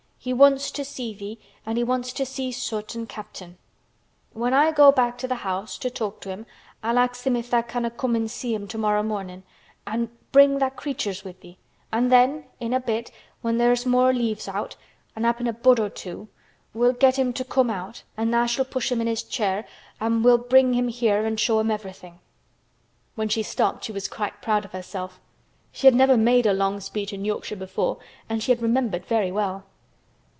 He wants to see thee and he wants to see Soot an' Captain. When I go back to the house to talk to him I'll ax him if tha' canna' come an' see him tomorrow mornin'—an' bring tha' creatures wi' thee—an' then—in a bit, when there's more leaves out, an' happen a bud or two, we'll get him to come out an' tha' shall push him in his chair an' we'll bring him here an' show him everything." When she stopped she was quite proud of herself. She had never made a long speech in Yorkshire before and she had remembered very well.